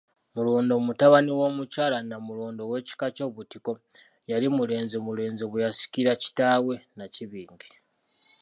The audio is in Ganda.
MULONDO mutabani w'Omukyala Nnamulondo ow'ekika ky'Obutiko, yali mulenzi bulenzi bwe yasikira kitaawe Nnakibinge.